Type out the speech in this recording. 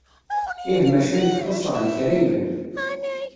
Ih macca nekk xuṣeɣ deg kra yellan.